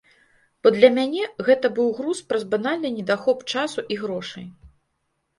Бо для мяне гэта быў груз праз банальны недахоп часу і грошай.